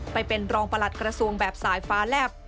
ไปเป็นรองประหลัดกระทรวงแบบสายฟ้าแลบ